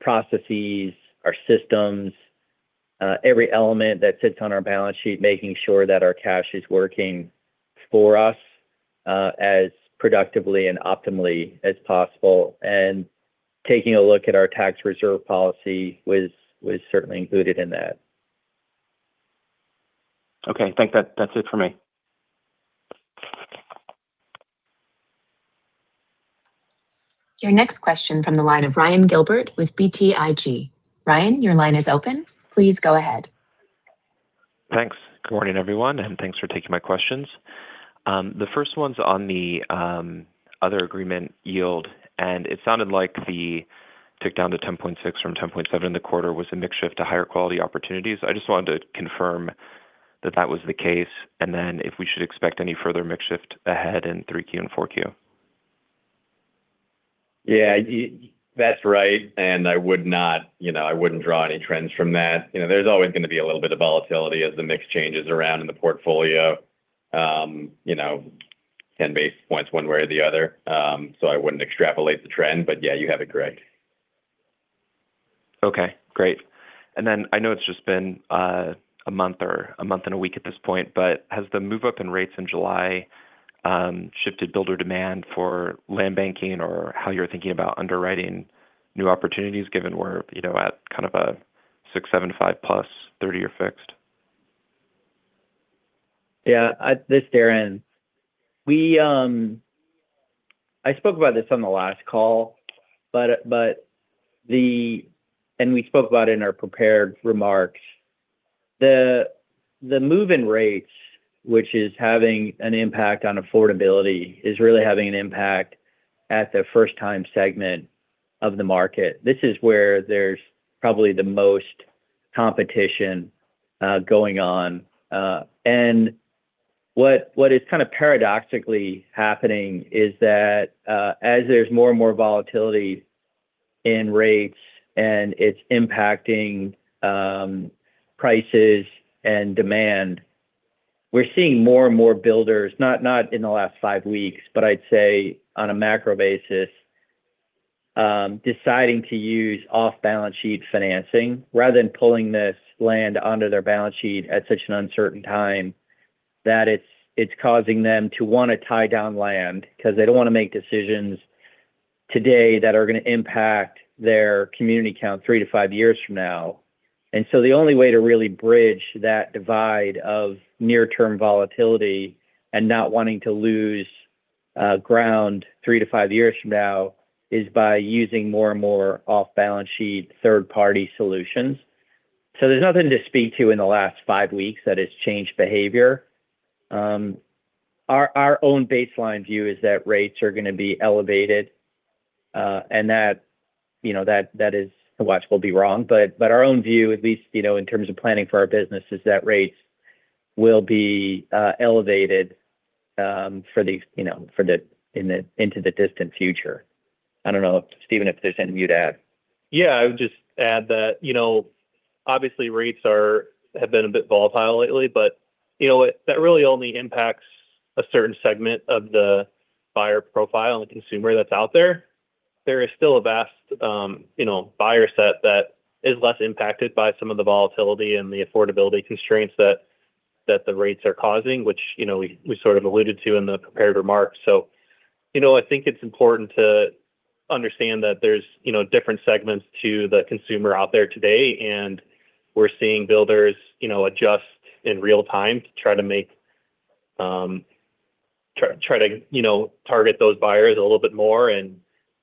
processes, our systems, every element that sits on our balance sheet, making sure that our cash is working for us, as productively and optimally as possible. Taking a look at our tax reserve policy was certainly included in that. Okay. I think that's it for me. Your next question from the line of Ryan Gilbert with BTIG. Ryan, your line is open. Please go ahead. Thanks. Good morning, everyone, and thanks for taking my questions. The first one's on the other agreement yield, and it sounded like the tick down to 10.6 from 10.7 in the quarter was a mix shift to higher quality opportunities. I just wanted to confirm that that was the case, and then if we should expect any further mix shift ahead in 3Q and 4Q. Yeah. That's right. I wouldn't draw any trends from that. There's always going to be a little bit of volatility as the mix changes around in the portfolio, 10 basis points one way or the other. I wouldn't extrapolate the trend, but yeah, you have it correct. Okay, great. I know it's just been a month or a month and a week at this point, but has the move-up in rates in July shifted builder demand for land banking or how you're thinking about underwriting new opportunities given we're at kind of a 675+, 30 or fixed? Yeah. This is Darren. I spoke about this on the last call, we spoke about it in our prepared remarks. The move in rates, which is having an impact on affordability, is really having an impact at the first time segment of the market. This is where there's probably the most competition going on. What is kind of paradoxically happening is that as there's more and more volatility in rates and it's impacting prices and demand, we're seeing more and more builders, not in the last five weeks, but I'd say on a macro basis, deciding to use off balance sheet financing rather than pulling this land onto their balance sheet at such an uncertain time. That it's causing them to want to tie down land because they don't want to make decisions today that are going to impact their community count three to five years from now. The only way to really bridge that divide of near term volatility and not wanting to lose ground three to five years from now is by using more and more off balance sheet third party solutions. There's nothing to speak to in the last five weeks that has changed behavior. Our own baseline view is that rates are going to be elevated, that is what we'll be wrong. Our own view, at least, in terms of planning for our business, is that rates will be elevated into the distant future. I don't know, Steven, if there's anything you'd add. Yeah, I would just add that obviously rates have been a bit volatile lately, but that really only impacts a certain segment of the buyer profile and the consumer that's out there. There is still a vast buyer set that is less impacted by some of the volatility and the affordability constraints that the rates are causing, which we sort of alluded to in the prepared remarks. I think it's important to understand that there's different segments to the consumer out there today, and we're seeing builders adjust in real time to try to target those buyers a little bit more and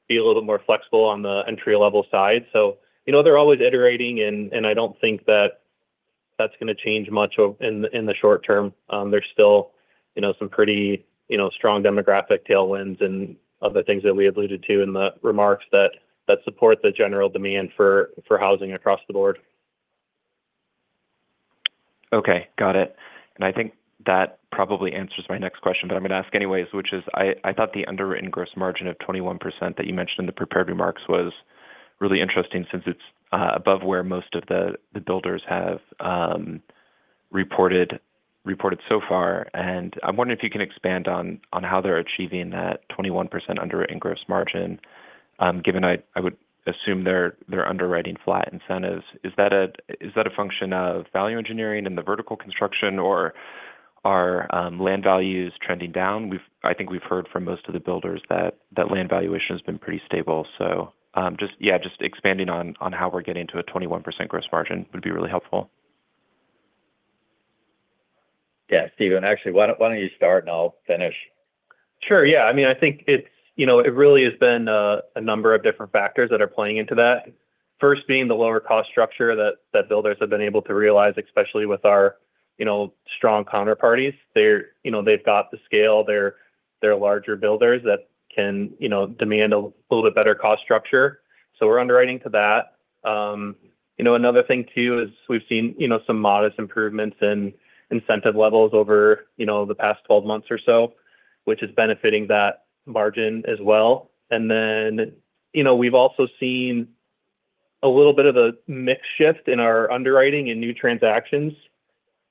be a little more flexible on the entry-level side. They're always iterating, and I don't think that that's going to change much in the short term. There's still some pretty strong demographic tailwinds and other things that we alluded to in the remarks that support the general demand for housing across the board. Okay, got it. I think that probably answers my next question, but I'm going to ask anyways, which is, I thought the underwritten gross margin of 21% that you mentioned in the prepared remarks was really interesting since it's above where most of the builders have reported so far. I'm wondering if you can expand on how they're achieving that 21% underwritten gross margin, given I would assume they're underwriting flat incentives. Is that a function of value engineering in the vertical construction, or are land values trending down? I think we've heard from most of the builders that land valuation has been pretty stable. Just expanding on how we're getting to a 21% gross margin would be really helpful. Yeah. Steven, actually, why don't you start and I'll finish? Sure. Yeah. I think it really has been a number of different factors that are playing into that. First being the lower cost structure that builders have been able to realize, especially with our strong counterparties. They've got the scale. They're larger builders that can demand a little bit better cost structure. We're underwriting to that. Another thing, too, is we've seen some modest improvements in incentive levels over the past 12 months or so, which is benefiting that margin as well. We've also seen a little bit of a mix shift in our underwriting in new transactions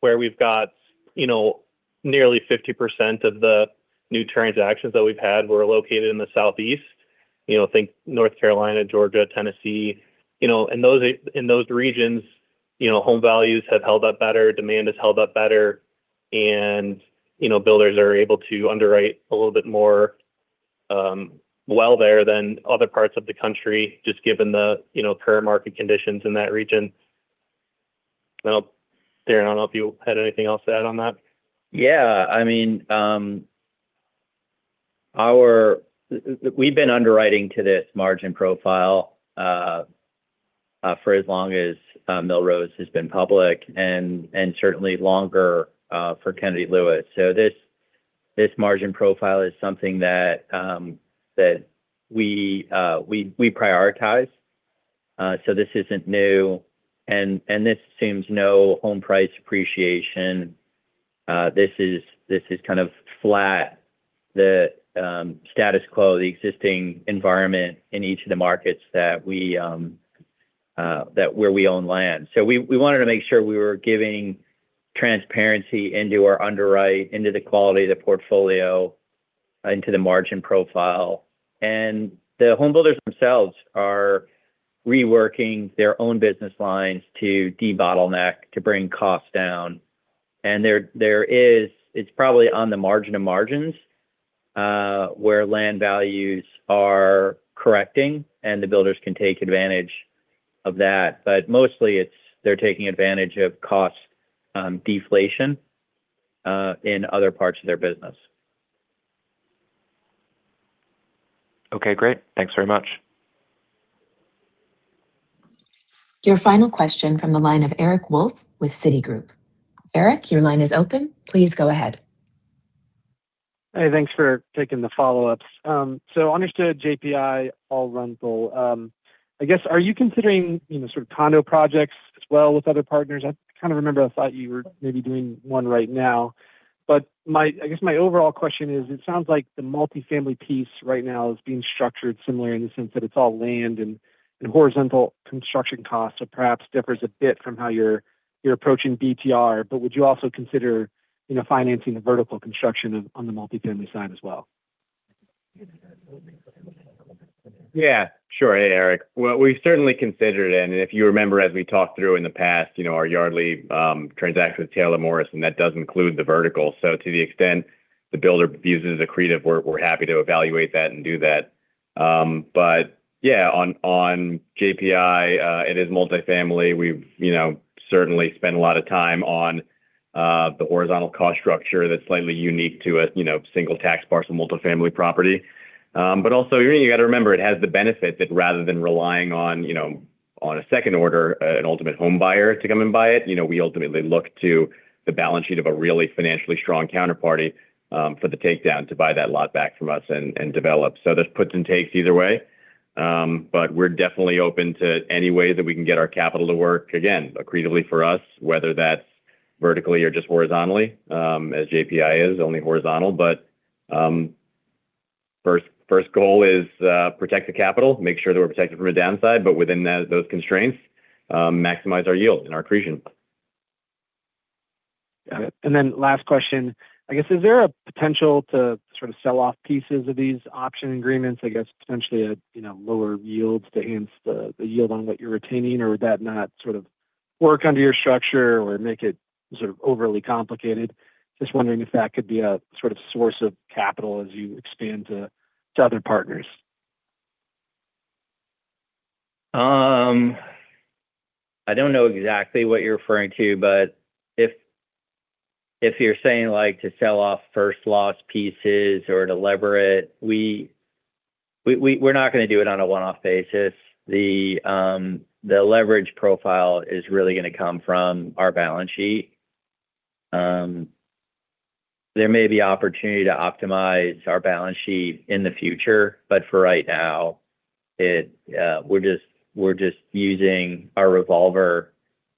where we've got nearly 50% of the new transactions that we've had were located in the Southeast. Think North Carolina, Georgia, Tennessee. In those regions, home values have held up better, demand has held up better, and builders are able to underwrite a little bit more well there than other parts of the country, just given the current market conditions in that region. Darren, I don't know if you had anything else to add on that. Yeah. We've been underwriting to this margin profile for as long as Millrose has been public and certainly longer for Kennedy Lewis. This margin profile is something that we prioritize. This isn't new, and this assumes no home price appreciation. This is kind of flat, the status quo, the existing environment in each of the markets where we own land. We wanted to make sure we were giving transparency into our underwrite, into the quality of the portfolio, into the margin profile. The home builders themselves are reworking their own business lines to debottleneck, to bring costs down. It's probably on the margin of margins, where land values are correcting and the builders can take advantage of that. Mostly it's they're taking advantage of cost deflation in other parts of their business. Okay, great. Thanks very much. Your final question from the line of Eric Wolfe with Citigroup. Eric, your line is open. Please go ahead. Hey, thanks for taking the follow-ups. Understood JPI all rental. I guess, are you considering sort of condo projects as well with other partners? I kind of remember I thought you were maybe doing one right now. I guess my overall question is, it sounds like the multifamily piece right now is being structured similarly in the sense that it's all land and horizontal construction costs. Perhaps differs a bit from how you're approaching BTR, but would you also consider financing the vertical construction on the multifamily side as well? Yeah. Sure. Hey, Eric. Well, we certainly considered it and if you remember, as we talked through in the past, our Yardly transaction with Taylor Morrison, that does include the vertical. To the extent the builder uses accretive work, we're happy to evaluate that and do that. Yeah, on JPI, it is multifamily. We've certainly spent a lot of time on the horizontal cost structure that's slightly unique to a single tax parcel multifamily property. Also you got to remember, it has the benefit that rather than relying on a second order, an ultimate home buyer to come and buy it, we ultimately look to the balance sheet of a really financially strong counterparty, for the takedown to buy that lot back from us and develop. There's puts and takes either way. We're definitely open to any way that we can get our capital to work, again, accretively for us, whether that's vertically or just horizontally, as JPI is only horizontal. First goal is protect the capital, make sure that we're protected from a downside, within those constraints, maximize our yield and our accretion. Got it. Last question. Is there a potential to sell off pieces of these option agreements, potentially at lower yields to enhance the yield on what you're retaining, or would that not work under your structure or make it overly complicated? Just wondering if that could be a source of capital as you expand to other partners. I don't know exactly what you're referring to, if you're saying to sell off first loss pieces or to lever it, we're not going to do it on a one-off basis. The leverage profile is really going to come from our balance sheet. There may be opportunity to optimize our balance sheet in the future, for right now, we're just using our revolver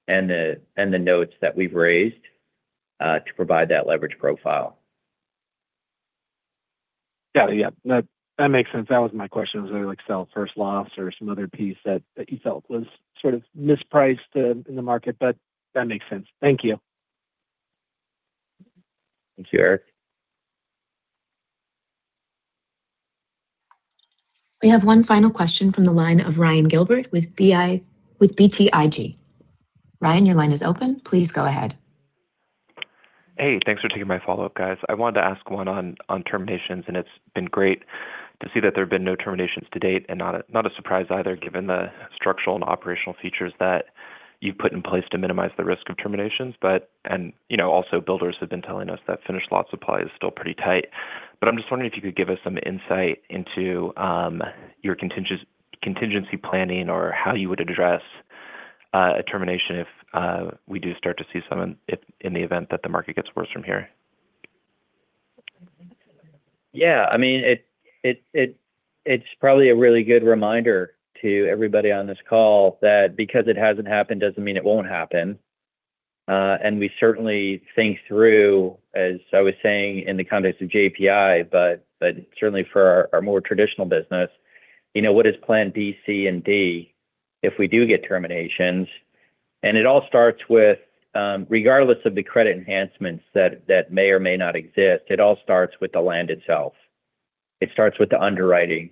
and the notes that we've raised to provide that leverage profile. Yeah. That makes sense. That was my question, was whether to sell first loss or some other piece that you felt was mispriced in the market, that makes sense. Thank you. Thank you, Eric. We have one final question from the line of Ryan Gilbert with BTIG. Ryan, your line is open. Please go ahead. Hey, thanks for taking my follow-up, guys. I wanted to ask one on terminations. It's been great to see that there have been no terminations to date. Not a surprise either, given the structural and operational features that you've put in place to minimize the risk of terminations. Also, builders have been telling us that finished lot supply is still pretty tight. I'm just wondering if you could give us some insight into your contingency planning or how you would address a termination if we do start to see some in the event that the market gets worse from here. Yeah. It's probably a really good reminder to everybody on this call that because it hasn't happened doesn't mean it won't happen. We certainly think through, as I was saying in the context of JPI, but certainly for our more traditional business, what is plan B, C, and D if we do get terminations. Regardless of the credit enhancements that may or may not exist, it all starts with the land itself. It starts with the underwriting.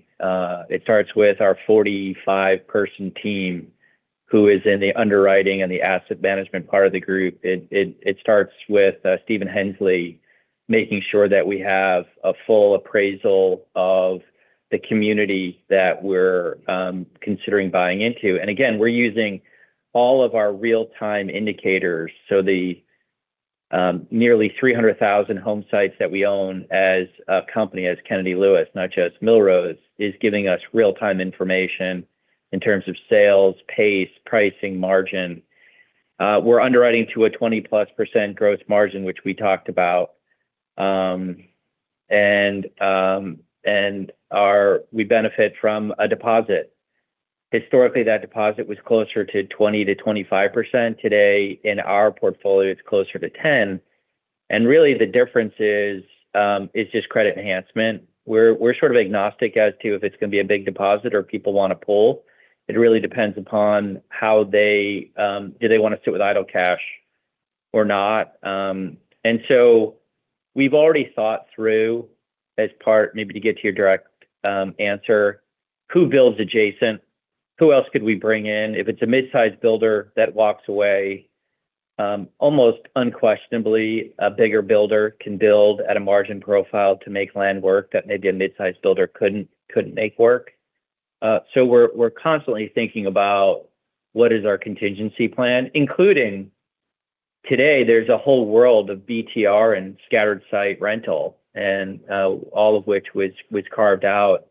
It starts with our 45-person team who is in the underwriting and the asset management part of the group. It starts with Steven Hensley making sure that we have a full appraisal of the community that we're considering buying into. Again, we're using all of our real-time indicators. The nearly 300,000 home sites that we own as a company, as Kennedy Lewis, not just Millrose, is giving us real-time information in terms of sales, pace, pricing, margin. We're underwriting to a 20-plus % gross margin, which we talked about. We benefit from a deposit. Historically, that deposit was closer to 20%-25%. Today, in our portfolio, it's closer to 10. Really the difference is just credit enhancement. We're agnostic as to if it's going to be a big deposit or people want to pull. It really depends upon do they want to sit with idle cash or not. We've already thought through, as part maybe to get to your direct answer, who builds adjacent, who else could we bring in? If it's a mid-size builder that walks away, almost unquestionably a bigger builder can build at a margin profile to make land work that maybe a mid-size builder couldn't make work. We're constantly thinking about what is our contingency plan, including today, there's a whole world of BTR and scattered site rental, all of which was carved out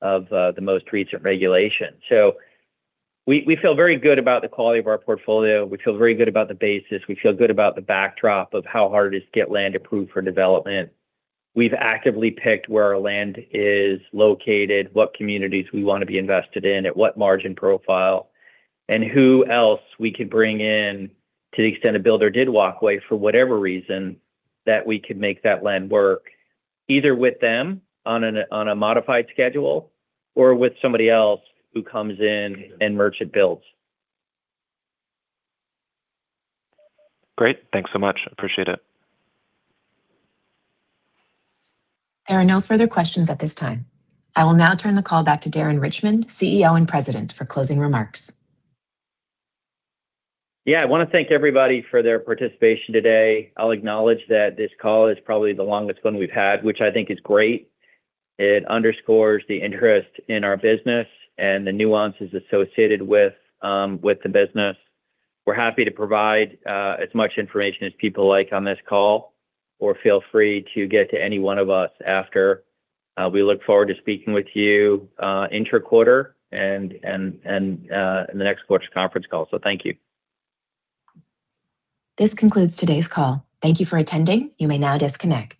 of the most recent regulation. We feel very good about the quality of our portfolio. We feel very good about the basis, we feel good about the backdrop of how hard it is to get land approved for development. We've actively picked where our land is located, what communities we want to be invested in, at what margin profile, who else we could bring in to the extent a builder did walk away for whatever reason, that we could make that land work, either with them on a modified schedule or with somebody else who comes in and merchant builds. Great. Thanks so much. Appreciate it. There are no further questions at this time. I will now turn the call back to Darren Richman, CEO, and President for closing remarks. Yeah. I want to thank everybody for their participation today. I'll acknowledge that this call is probably the longest one we've had, which I think is great. It underscores the interest in our business and the nuances associated with the business. We're happy to provide as much information as people like on this call, or feel free to get to any one of us after. We look forward to speaking with you inter-quarter and in the next quarter's conference call. Thank you. This concludes today's call. Thank you for attending. You may now disconnect.